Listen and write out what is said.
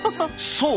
そう！